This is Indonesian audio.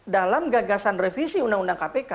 dalam gagasan revisi undang undang kpk